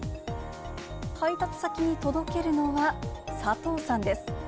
配達先に届けるのは佐藤さんです。